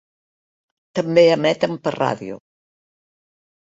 També emeten per ràdio.